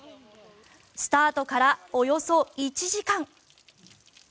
スタートからおよそ１時間。